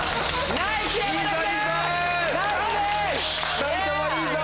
２人ともいいぞ！